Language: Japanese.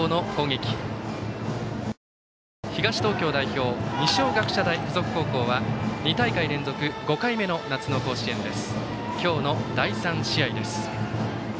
守る、東東京代表二松学舎大付属高校は２大会連続５回目の夏の甲子園です。